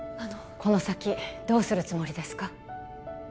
この先どうするつもりですか？